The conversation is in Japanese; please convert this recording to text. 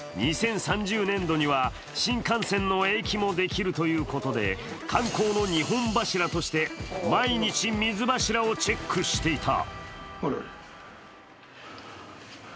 ２０３０年度には新幹線の駅もできるということで観光の２本柱として毎日水柱をチェックしていた。